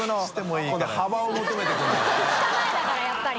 ２日前だからやっぱり。